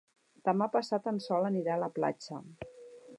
Demà passat en Sol anirà a la platja.